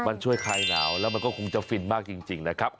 มันช่วยคลายหนาวแล้วมันก็คงจะฟินมากจริงนะครับ